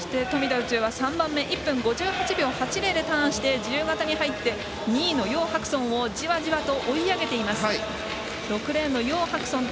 宇宙は３番目１分５８秒３０でターンして、自由形に入って２位の楊博尊をじわじわと追い上げています。